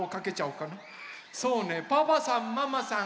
そうねパパさんママさん